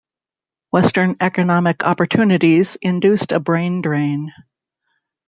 Western economic opportunities induced a brain drain.